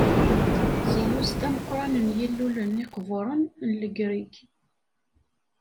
Ziyus d ameqqran n yilluyen iqburen n Legrig.